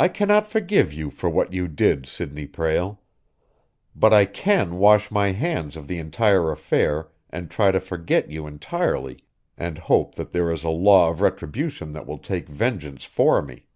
I cannot forgive you for what you did, Sidney Prale. But I can wash my hands of the entire affair and try to forget you entirely and hope that there is a law of retribution that will take vengeance for me.